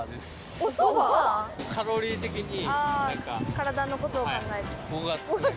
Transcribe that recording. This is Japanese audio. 体のことを考えて。